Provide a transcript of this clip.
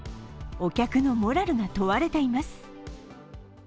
お客のモラルが問われています。